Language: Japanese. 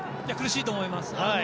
苦しいと思います。